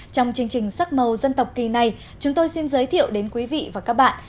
trong chương trình sắc màu dân tộc kỳ này chúng tôi xin giới thiệu đến quý vị và các bạn